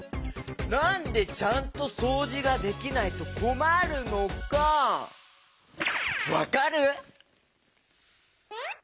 なんでちゃんとそうじができないとこまるのかわかる？